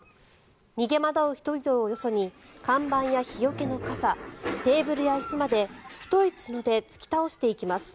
逃げ惑う人々をよそに看板や日よけの傘テーブルや椅子まで太い角で突き倒していきます。